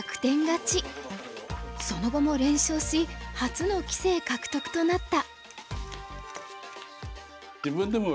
その後も連勝し初の棋聖獲得となった。